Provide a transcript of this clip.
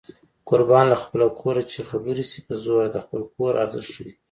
قربان له خپله کوره چې خبرې شي په زوره د خپل کور ارزښت ښيي